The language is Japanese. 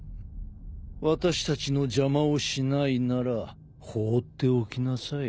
私たちの邪魔をしないなら放っておきなさい。